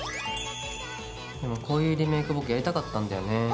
でもこういうリメイク僕やりたかったんだよね。